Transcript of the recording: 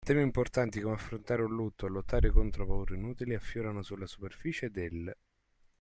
Temi importanti, come l’affrontare un lutto o lottare contro paure inutili, affiorano sulla superficie dell’